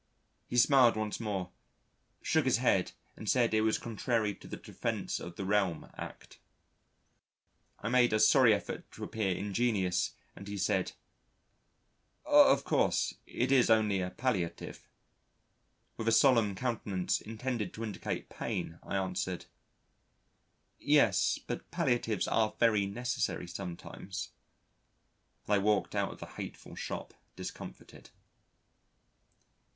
He smiled once more, shook his head and said it was contrary to the Defence of the Realm Act. I made a sorry effort to appear ingenuous, and he said: "Of course, it is only a palliative." With a solemn countenance intended to indicate pain I answered: "Yes, but palliatives are very necessary sometimes," and I walked out of the hateful shop discomfited.